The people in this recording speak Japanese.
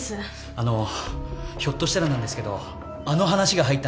あのひょっとしたらなんですけどあの話が入ったんじゃないですか。